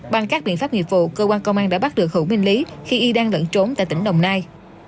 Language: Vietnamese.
bằng các biện pháp nghiệp vụ cơ quan công an đã bắt được hữu minh lý khi y đang lẫn trốn tại tỉnh đồng nai